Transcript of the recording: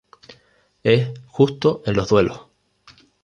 Es justo en los duelos.